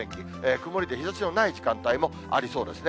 曇りで日ざしのない時間帯もありそうですね。